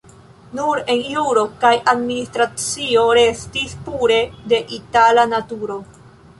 Nur en juro kaj administracio restis pure de Italia naturo.